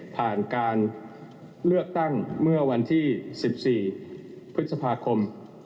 ผ่านการเลือกตั้งเมื่อวันที่๑๔พฤษภาคม